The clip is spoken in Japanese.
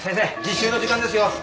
実習の時間ですよ